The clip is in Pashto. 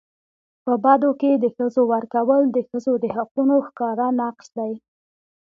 په بدو کي د ښځو ورکول د ښځو د حقونو ښکاره نقض دی.